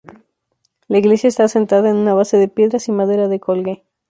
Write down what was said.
La iglesia está asentada en una base de piedras y madera de coigüe.